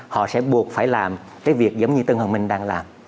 họ sẽ buộc phải làm cái việc giống như tân hồn minh đang làm